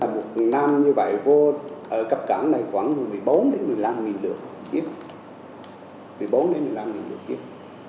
một năm như vậy vô ở cặp cán này khoảng một mươi bốn một mươi năm nghìn lượt